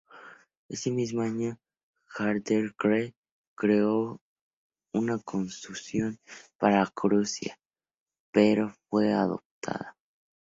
Ese mismo año, Hardenberg creó una constitución para Prusia, pero no fue adoptada.